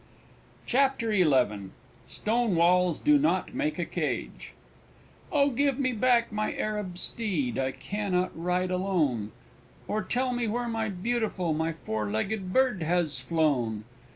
CHAPTER XI STONE WALLS DO NOT MAKE A CAGE Oh, give me back my Arab steed, I cannot ride alone! Or tell me where my Beautiful, my four legged bird has flown.